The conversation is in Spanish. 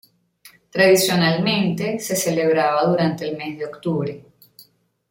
Tradicionalmente, se celebraba durante el mes de octubre.